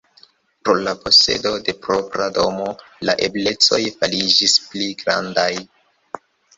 Pro la posedo de propra domo, la eblecoj fariĝis pli grandaj.